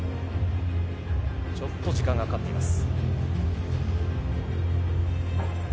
ちょっと時間がかかっています。